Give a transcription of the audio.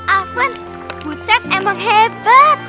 apa butet emang hebat